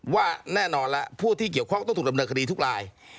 ว่าแน่นอนแล้วผู้ที่เกี่ยวข้องต้องถูกดำเนินคดีทุกราย